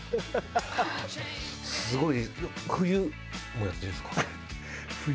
すごい。